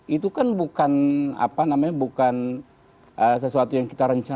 itu kan bukan sesuatu yang kita rencanakan